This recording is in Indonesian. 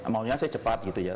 maunya sih cepat gitu ya